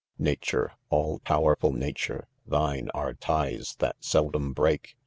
Vature, all powerful Nature 3 thine are ties That seldom break.